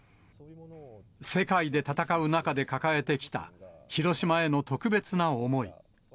世界で戦う中で抱えてきた、広島への特別な思い。